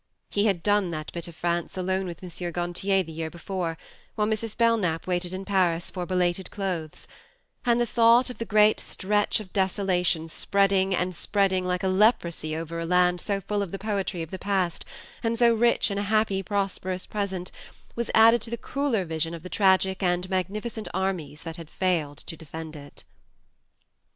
He had done that bit of France alone with M. Gantier the year before, while Mrs. Belknap waited in Paris for belated clothes ; and the thought of the great stretch of desolation spreading and spreading like a leprosy over a land so full of the poetry of the past, and so rich in a happy prosperous present, was added to the crueller vision of the tragic and magnificent armies that had failed to defend it.